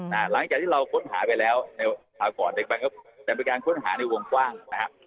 หลังจากที่เราค้นหาไปแล้วในคราวก่อนเด็กไปก็จะเป็นการค้นหาในวงกว้างนะฮะ